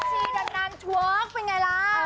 แท่จีดนานร์ชุ๊อร์กเป็นไงล่ะ